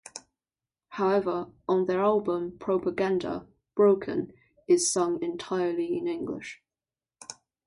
However, on their album "Propaganda", "Broken" is sung entirely in English.